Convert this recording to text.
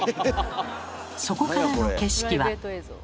そこからの景色は。